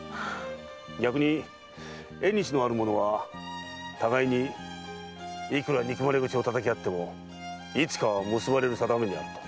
逆に縁のある者は互いにいくら憎まれ口をたたきあってもいつかは結ばれるさだめにあると。